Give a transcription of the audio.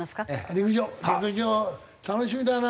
陸上楽しみだな。